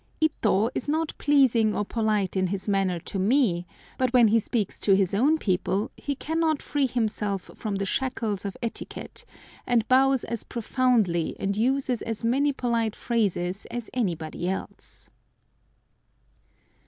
Ito is not pleasing or polite in his manner to me, but when he speaks to his own people he cannot free himself from the shackles of etiquette, and bows as profoundly and uses as many polite phrases as anybody else.